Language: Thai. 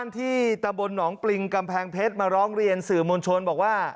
ที่ตะบลหนองปริงกำแพงเพชรมาร้องเรียนสื่อมวลชนบอกว่า